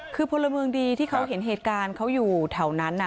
คือพลเมืองดีที่เขาเห็นเหตุการณ์เขาอยู่แถวนั้น